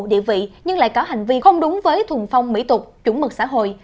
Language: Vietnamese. địa vị nhưng lại có hành vi không đúng với thùng phong mỹ tục chuẩn mực xã hội